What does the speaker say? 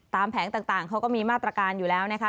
แผงต่างเขาก็มีมาตรการอยู่แล้วนะคะ